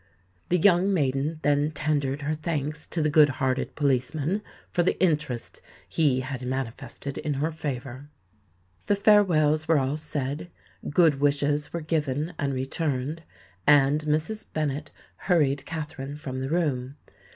The young maiden then tendered her thanks to the good hearted policeman for the interest he had manifested in her favour. The farewells were all said; good wishes were given and returned; and Mrs. Bennet hurried Katherine from the room.